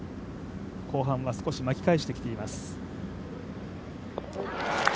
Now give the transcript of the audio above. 後半は少し巻き返してきています